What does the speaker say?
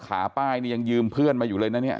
ขาป้ายนี่ยังยืมเพื่อนมาอยู่เลยนะเนี่ย